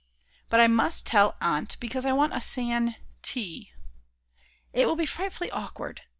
But I must tell Aunt because I want a San T . It will be frightfully awkward.